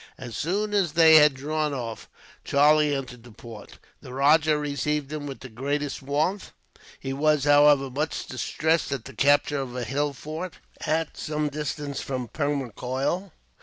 As soon as they had drawn off, Charlie entered the fort. The rajah received him with the greatest warmth. He was, however, much distressed at the capture of a hill fort, at some distance from Permacoil.